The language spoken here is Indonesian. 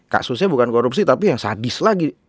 kasusnya bukan korupsi tapi yang sadis lagi